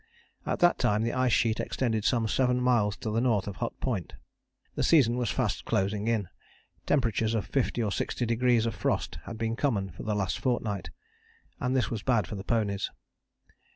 At that time the ice sheet extended some seven miles to the north of Hut Point. The season was fast closing in: temperatures of fifty or sixty degrees of frost had been common for the last fortnight, and this was bad for the ponies.